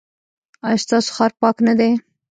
ایا ستاسو ښار پاک نه دی؟